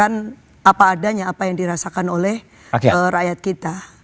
dan saya kira saya juga mau menyampaikan apa adanya apa yang dirasakan oleh rakyat kita